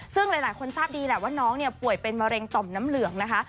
ซึ่งหลายคนทราบดีแหละว่าน้องเนี่ยป่วยเป็นมะเร็งต่อมน้ำเหลืองนะคะ